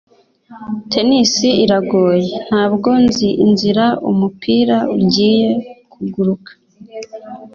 tennis iragoye. ntabwo nzi inzira umupira ugiye kuguruka